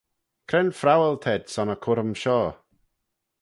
Cre'n phrowal t'ayd son y currym shoh?